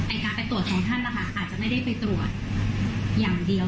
การไปตรวจของท่านนะคะอาจจะไม่ได้ไปตรวจอย่างเดียว